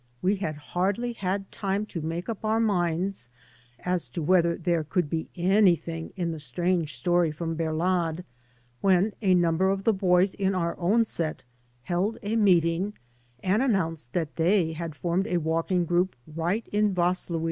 We had hardly had time to make up our minds as to whether there could be anything in the strange story from Berlad, when a number of the boys in our own set held a meeting and announced that they had formed a walking group right in Vaslui.